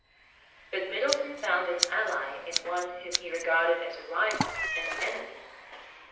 But Middleton found an ally in one whom he regarded as a rival and an enemy.